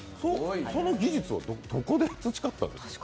その技術は、どこで培ったんですか？